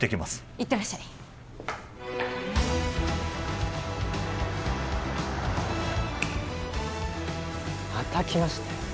行ってらっしゃいまた来ましたよ